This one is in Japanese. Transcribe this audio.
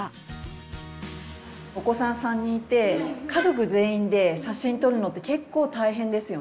お子さん３人いて家族全員で写真撮るのって結構大変ですよね。